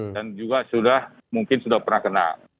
dan juga sudah mungkin sudah pernah kena